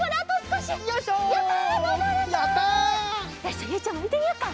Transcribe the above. じゃあゆいちゃんもいってみよっか。